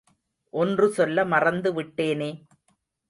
ஒன்று சொல்ல மறந்து விட்டேனே.